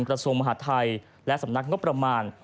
ขณะทางโรคสมมาธิถัยและสำนักงบประมาณ